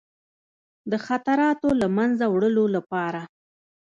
د خطراتو له منځه وړلو لپاره.